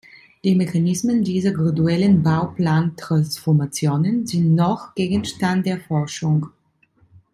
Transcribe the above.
Die Mechanismen dieser graduellen Bauplan-Transformationen sind noch Gegenstand der Forschung.